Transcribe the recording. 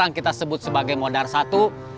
yang sekarang kita sebut sebagai modar satu